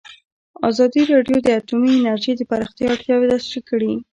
ازادي راډیو د اټومي انرژي د پراختیا اړتیاوې تشریح کړي.